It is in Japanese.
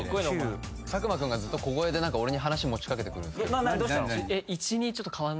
佐久間君がずっと小声で何か俺に話持ちかけてくるんですどうしたの？